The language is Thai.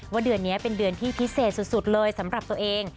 เดือนนี้เป็นเดือนที่พิเศษสุดเลยสำหรับตัวเอง